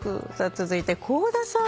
続いて倖田さん